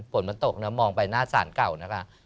ฝนมันตกนะมองไปหน้าศาลเก่านะคะ